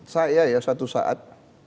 saya ya satu saat